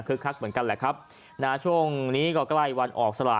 คือคักเหมือนกันแหละครับนะช่วงนี้ก็ใกล้วันออกสละ